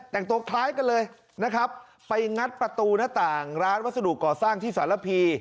แต่งตัวคล้ายกันเลยนะครับไปงัดประตูหน้าต่างร้านวัสดุก่อสร้างที่สารพี